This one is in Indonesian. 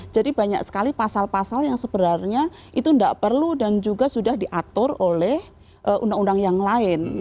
jadi banyak sekali pasal pasal yang sebenarnya itu tidak perlu dan juga sudah diatur oleh undang undang yang lain